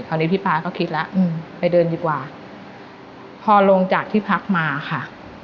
ตอนนี้พี่ป๊าก็คิดแล้วไปเดินดีกว่าพอลงจากที่พักมาค่ะ